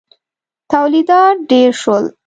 تولیدات ډېر شول.